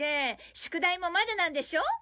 宿題もまだなんでしょ？